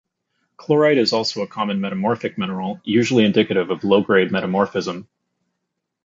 Chlorite is also a common metamorphic mineral, usually indicative of low-grade metamorphism.